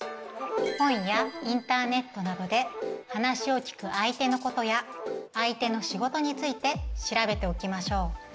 本やインターネットなどで話を聞く相手のことや相手の仕事について調べておきましょう。